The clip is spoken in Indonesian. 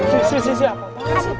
sisi sisi apa